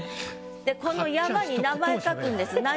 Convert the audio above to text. でこの「山」に名前書くんです。